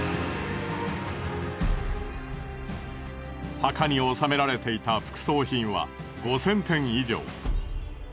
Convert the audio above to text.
墓に納められていた副葬品は５，０００点以上。